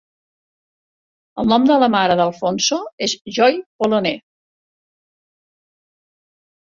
El nom de la mare d'Alfonso és Joy Pollonais.